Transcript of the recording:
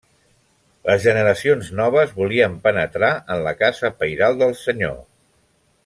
Les generacions noves volien penetrar en la Casa pairal del Senyor.